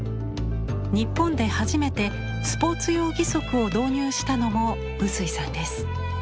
日本で初めてスポーツ用義足を導入したのも臼井さんです。